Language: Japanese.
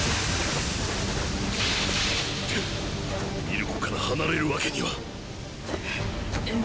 ミルコから離れるわけにはえ